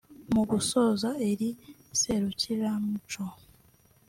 Mu gusoza iri serukiramuco